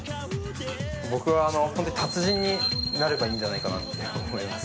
僕は達人になればいいんじゃないかなと思います。